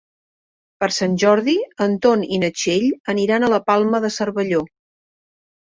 Per Sant Jordi en Ton i na Txell aniran a la Palma de Cervelló.